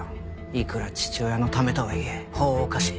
いくら父親のためとはいえ法を犯し偽って。